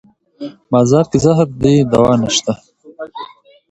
بازار کې زهر دی دوانشته